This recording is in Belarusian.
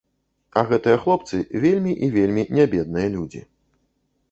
А гэтыя хлопцы, вельмі і вельмі не бедныя людзі.